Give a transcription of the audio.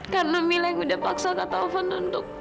karena mila yang udah paksa kak taufan untuk